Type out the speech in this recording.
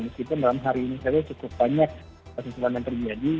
meskipun dalam hari ini saja cukup banyak susulan yang terjadi